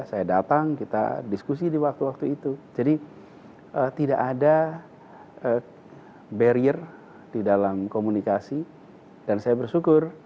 saya datang kita diskusi di waktu waktu itu jadi tidak ada barrier di dalam komunikasi dan saya bersyukur